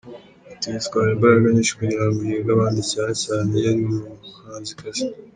Ati "Bitwara imbaraga nyinshi kugira ngo uhige abandi cyane cyane iyo uri umuhanzikazi.